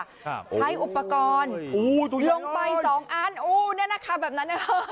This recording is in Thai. ใช่ใช้อุปกรณ์โอ้ยลงไปสองอันโอ้ยนั่นอ่ะค่ะแบบนั้นอ่ะ